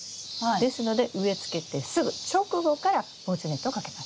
ですので植え付けてすぐ直後から防虫ネットをかけます。